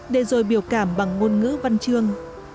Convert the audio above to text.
để rồi biểu cảm bằng ngôn ngữ văn trương